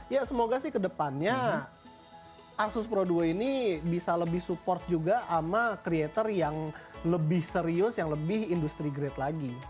ya semoga sih kedepannya asus pro duo ini bisa lebih support juga sama creator yang lebih serius yang lebih industry grade lagi